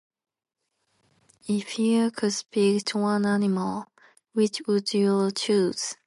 If you could be one animal, which one would you choose?